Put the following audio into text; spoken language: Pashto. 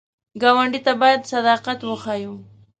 ګاونډي ته باید صداقت وښیو